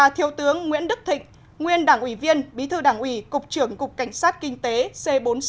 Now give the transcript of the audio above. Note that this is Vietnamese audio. thiếu tướng nguyễn đức thịnh nguyên đảng ủy viên bí thư đảng ủy cục trưởng cục cảnh sát kinh tế c bốn mươi sáu